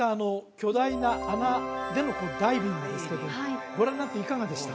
巨大な穴でのダイビングですけどご覧になっていかがでした？